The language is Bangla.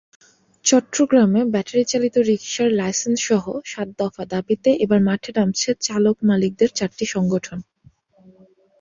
চট্টগ্রামে ব্যাটারিচালিত রিকশার লাইসেন্সসহ সাত দফা দাবিতে এবার মাঠে নামছে চালক-মালিকদের চারটি সংগঠন।